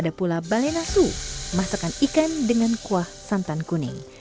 ada pula balenasu masakan ikan dengan kuah santan kuning